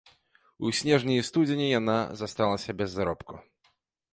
У снежні і студзені яна засталася без заробку.